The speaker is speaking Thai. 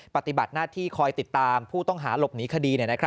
ปฏิบัติหน้าที่คอยติดตามผู้ต้องหาหลบหนีคดี